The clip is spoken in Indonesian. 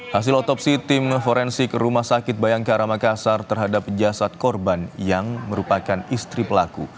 hasil otopsi tim forensik rumah sakit bayangkara makassar terhadap jasad korban yang merupakan istri pelaku